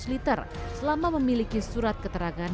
seratus liter selama memiliki surat keterangan